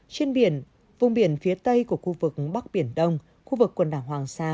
trên biển vùng biển phía tây của khu vực bắc biển đông khu vực quần đảo hoàng sa